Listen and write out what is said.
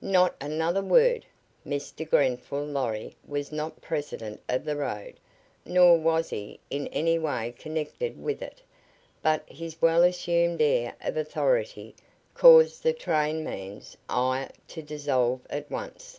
Not another word!" Mr. Grenfall Lorry was not president of the road, nor was he in any way connected with it, but his well assumed air of authority caused the trainman's ire to dissolve at once.